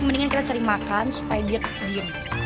mendingan kita cari makan supaya dia diem